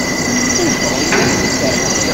Ur d-teɣri ara Nna Seɛdiya.